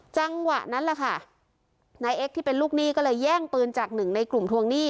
จังหวะนั้นแหละค่ะนายเอ็กซที่เป็นลูกหนี้ก็เลยแย่งปืนจากหนึ่งในกลุ่มทวงหนี้